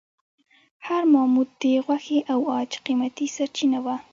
هر ماموت د غوښې او عاج قیمتي سرچینه وه.